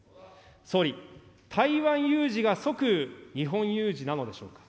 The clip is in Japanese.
総理、台湾有事が即日本有事なのでしょうか。